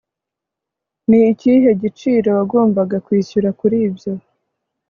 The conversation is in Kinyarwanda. Ni ikihe giciro wagombaga kwishyura kuri ibyo